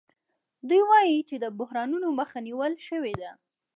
دوی وايي چې د بحرانونو مخه نیول شوې ده